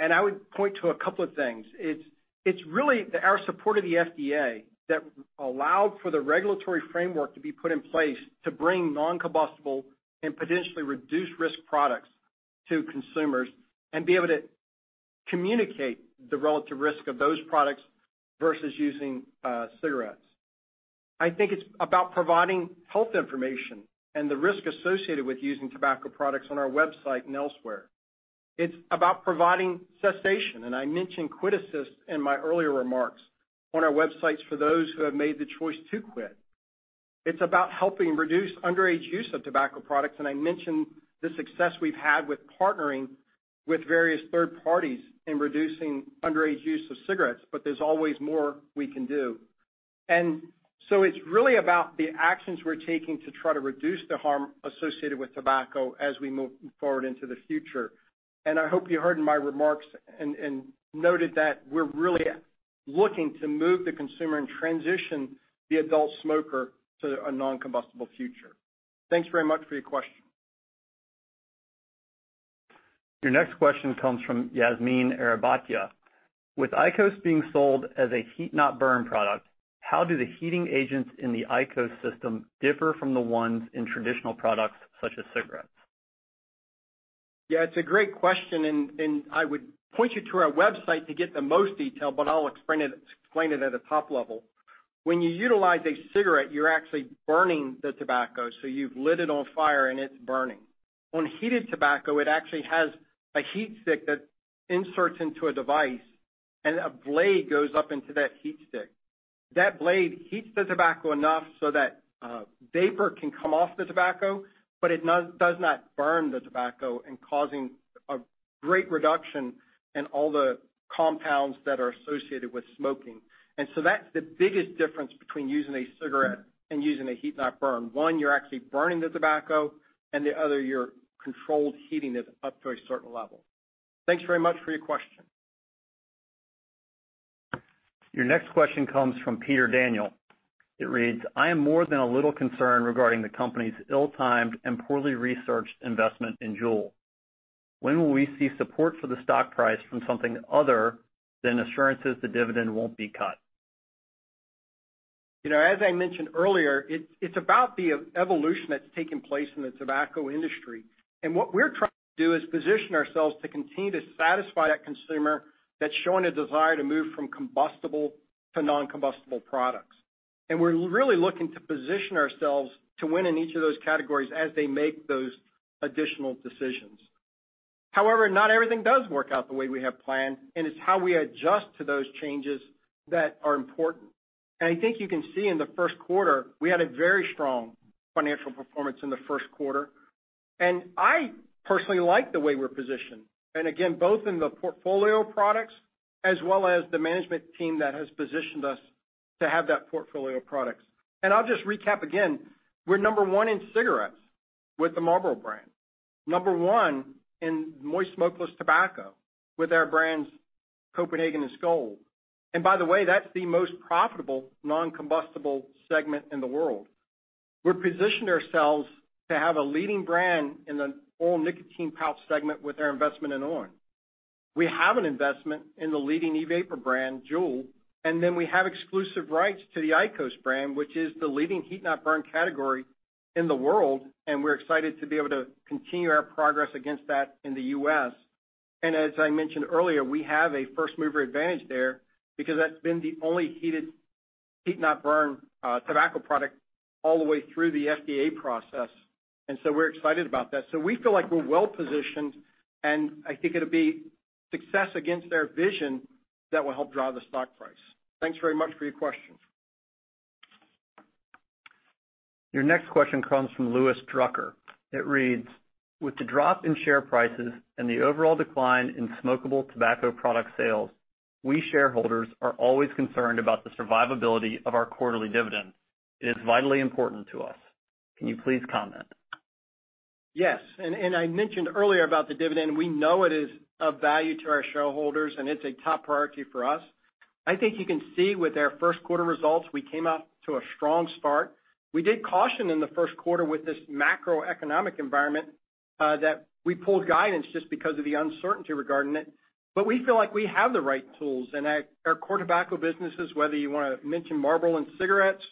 I would point to a couple of things. It's really our support of the FDA that allowed for the regulatory framework to be put in place to bring non-combustible and potentially reduced-risk products to consumers and be able to communicate the relative risk of those products versus using cigarettes. I think it's about providing health information and the risk associated with using tobacco products on our website and elsewhere. It's about providing cessation, and I mentioned QuitAssist in my earlier remarks, on our websites for those who have made the choice to quit. It's about helping reduce underage use of tobacco products. I mentioned the success we've had with partnering with various third parties in reducing underage use of cigarettes. There's always more we can do. It's really about the actions we're taking to try to reduce the harm associated with tobacco as we move forward into the future. I hope you heard in my remarks and noted that we're really looking to move the consumer and transition the adult smoker to a non-combustible future. Thanks very much for your question. Your next question comes from Yasmine Arabaty. With IQOS being sold as a heat-not-burn product, how do the heating agents in the IQOS system differ from the ones in traditional products such as cigarettes? Yeah, it's a great question, and I would point you to our website to get the most detail, but I'll explain it at a top level. When you utilize a cigarette, you're actually burning the tobacco, so you've lit it on fire and it's burning. On heated tobacco, it actually has a heat stick that inserts into a device and a blade goes up into that heat stick. That blade heats the tobacco enough so that vapor can come off the tobacco, but it does not burn the tobacco and causing a great reduction in all the compounds that are associated with smoking. So that's the biggest difference between using a cigarette and using a heat-not-burn. One, you're actually burning the tobacco, and the other, you're controlled heating it up to a certain level. Thanks very much for your question. Your next question comes from Peter Daniel. It reads, I am more than a little concerned regarding the company's ill-timed and poorly researched investment in JUUL. When will we see support for the stock price from something other than assurances the dividend won't be cut? As I mentioned earlier, it's about the evolution that's taken place in the tobacco industry. What we're trying to do is position ourselves to continue to satisfy that consumer that's showing a desire to move from combustible to non-combustible products. We're really looking to position ourselves to win in each of those categories as they make those additional decisions. However, not everything does work out the way we have planned, and it's how we adjust to those changes that are important. I think you can see in the first quarter, we had a very strong financial performance in the first quarter, and I personally like the way we're positioned. Again, both in the portfolio of products as well as the management team that has positioned us to have that portfolio of products. I'll just recap again, we're number 1 in cigarettes with the Marlboro brand, number 1 in moist smokeless tobacco with our brands Copenhagen and Skoal. By the way, that's the most profitable non-combustible segment in the world. We've positioned ourselves to have a leading brand in the oral nicotine pouch segment with our investment in on! We have an investment in the leading e-vapor brand, JUUL, and then we have exclusive rights to the IQOS brand, which is the leading heat-not-burn category in the world, and we're excited to be able to continue our progress against that in the U.S. As I mentioned earlier, we have a first-mover advantage there because that's been the only heat-not-burn tobacco product all the way through the FDA process. We're excited about that. We feel like we're well-positioned, and I think it'll be success against our vision that will help drive the stock price. Thanks very much for your questions. Your next question comes from Louis Drucker. It reads: With the drop in share prices and the overall decline in smokable tobacco product sales, we shareholders are always concerned about the survivability of our quarterly dividend. It is vitally important to us. Can you please comment? Yes. I mentioned earlier about the dividend. We know it is of value to our shareholders and it's a top priority for us. I think you can see with our first quarter results, we came out to a strong start. We did caution in the first quarter with this macroeconomic environment that we pulled guidance just because of the uncertainty regarding it, but we feel like we have the right tools and our core tobacco businesses, whether you want to mention Marlboro and cigarettes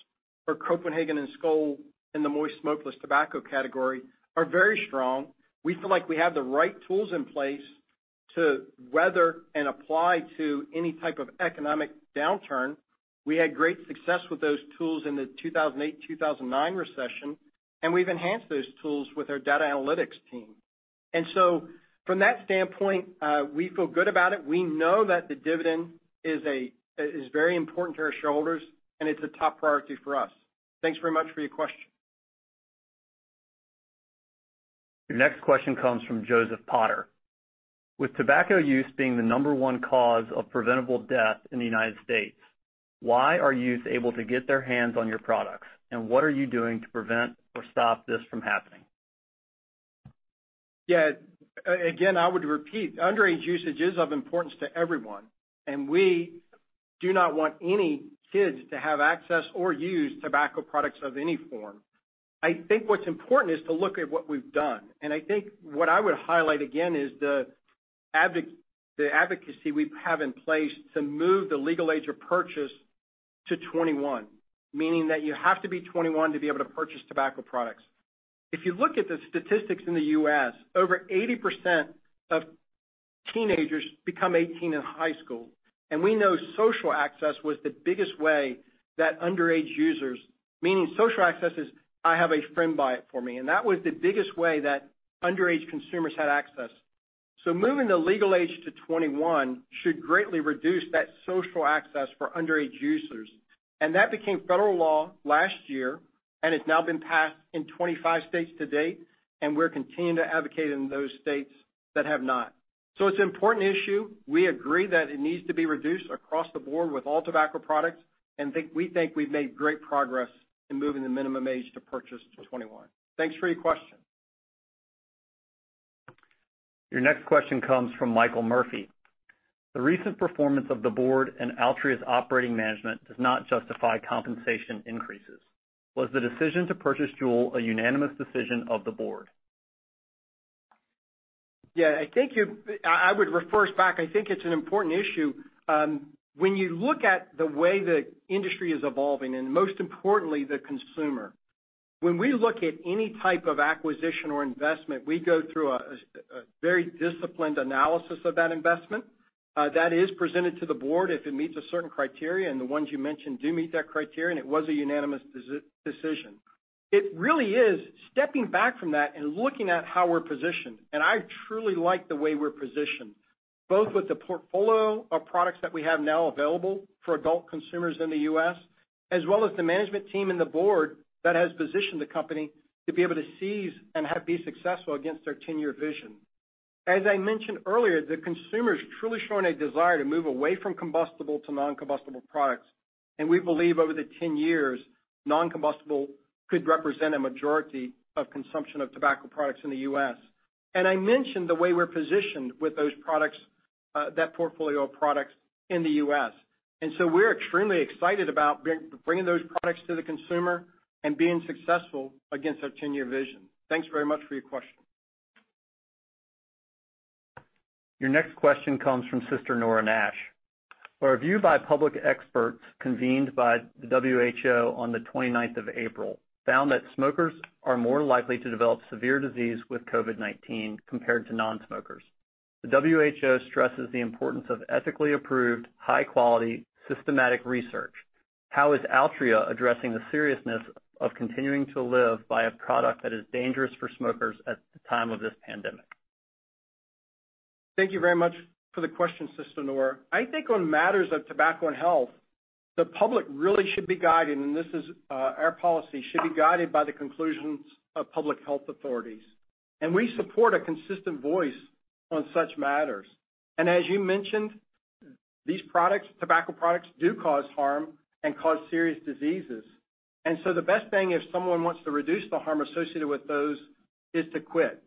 or Copenhagen and Skoal in the moist smokeless tobacco category, are very strong. We feel like we have the right tools in place to weather and apply to any type of economic downturn. We had great success with those tools in the 2008-2009 recession, and we've enhanced those tools with our data analytics team. From that standpoint, we feel good about it. We know that the dividend is very important to our shareholders, and it's a top priority for us. Thanks very much for your question. Your next question comes from Joseph Potter. With tobacco use being the number one cause of preventable death in the United States, why are youth able to get their hands on your products, and what are you doing to prevent or stop this from happening? Yeah. Again, I would repeat, underage usage is of importance to everyone, and we do not want any kids to have access or use tobacco products of any form. I think what's important is to look at what we've done. I think what I would highlight again is the advocacy we have in place to move the legal age of purchase to 21, meaning that you have to be 21 to be able to purchase tobacco products. If you look at the statistics in the U.S., over 80% of teenagers become 18 in high school, and we know social access was the biggest way that underage users Meaning social access is, I have a friend buy it for me, and that was the biggest way that underage consumers had access. Moving the legal age to 21 should greatly reduce that social access for underage users. That became federal law last year, and it's now been passed in 25 states to date, and we're continuing to advocate in those states that have not. It's an important issue. We agree that it needs to be reduced across the board with all tobacco products, and we think we've made great progress in moving the minimum age to purchase to 21. Thanks for your question. Your next question comes from Michael Murphy. The recent performance of the board and Altria's operating management does not justify compensation increases. Was the decision to purchase JUUL a unanimous decision of the board? Yeah. I would refer us back. I think it's an important issue. When you look at the way the industry is evolving, and most importantly, the consumer, when we look at any type of acquisition or investment, we go through a very disciplined analysis of that investment. That is presented to the board if it meets a certain criteria, and the ones you mentioned do meet that criterion. It was a unanimous decision. It really is stepping back from that and looking at how we're positioned, and I truly like the way we're positioned, both with the portfolio of products that we have now available for adult consumers in the U.S., as well as the management team and the board that has positioned the company to be able to seize and be successful against our 10-year vision. As I mentioned earlier, the consumer's truly showing a desire to move away from combustible to non-combustible products, we believe over the 10 years, non-combustible could represent a majority of consumption of tobacco products in the U.S. I mentioned the way we're positioned with those products, that portfolio of products in the U.S. We're extremely excited about bringing those products to the consumer and being successful against our 10-year vision. Thanks very much for your question. Your next question comes from Sister Nora Nash. A review by public experts convened by the WHO on the 29th of April found that smokers are more likely to develop severe disease with COVID-19 compared to non-smokers. The WHO stresses the importance of ethically approved, high-quality, systematic research. How is Altria addressing the seriousness of continuing to live by a product that is dangerous for smokers at the time of this pandemic? Thank you very much for the question, Sister Nora. I think on matters of tobacco and health, the public really should be guided, and this is our policy, should be guided by the conclusions of public health authorities. We support a consistent voice on such matters. As you mentioned, these products, tobacco products, do cause harm and cause serious diseases. The best thing if someone wants to reduce the harm associated with those is to quit.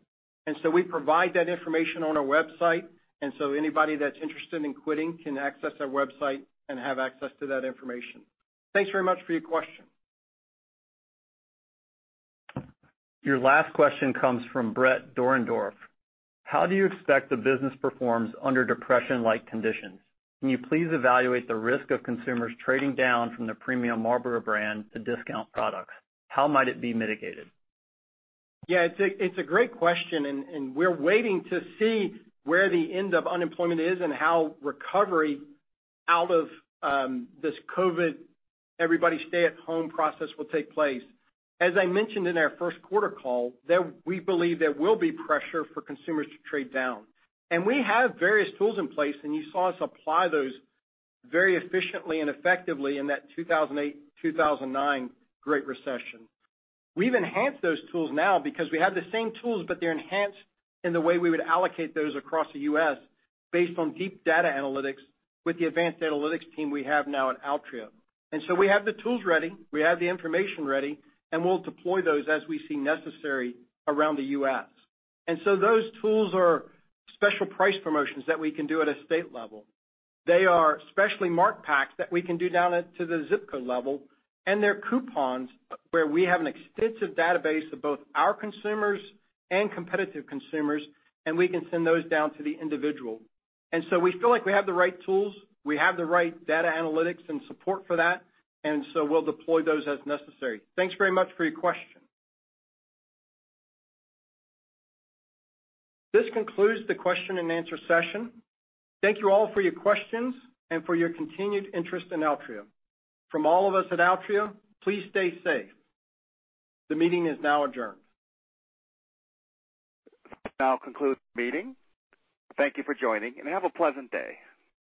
We provide that information on our website. Anybody that's interested in quitting can access our website and have access to that information. Thanks very much for your question. Your last question comes from Brett Dorendorf. How do you expect the business performs under depression-like conditions? Can you please evaluate the risk of consumers trading down from the premium Marlboro brand to discount products? How might it be mitigated? Yeah. It's a great question, and we're waiting to see where the end of unemployment is and how recovery out of this COVID, everybody stay-at-home process will take place. As I mentioned in our first quarter call, that we believe there will be pressure for consumers to trade down. We have various tools in place, and you saw us apply those very efficiently and effectively in that 2008-2009 Great Recession. We've enhanced those tools now because we have the same tools, but they're enhanced in the way we would allocate those across the U.S. based on deep data analytics with the advanced analytics team we have now at Altria. We have the tools ready, we have the information ready, and we'll deploy those as we see necessary around the U.S. Those tools are special price promotions that we can do at a state level. They are specially marked packs that we can do down at to the zip code level. They're coupons where we have an extensive database of both our consumers and competitive consumers. We can send those down to the individual. We feel like we have the right tools. We have the right data analytics and support for that. We'll deploy those as necessary. Thanks very much for your question. This concludes the question and answer session. Thank you all for your questions and for your continued interest in Altria. From all of us at Altria, please stay safe. The meeting is now adjourned. This now concludes the meeting. Thank you for joining, and have a pleasant day.